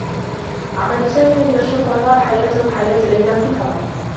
عمل سامي عند الشّرطة جعل حياته و حياة ليلى في خطر.